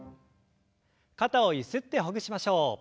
肩をゆすってほぐしましょう。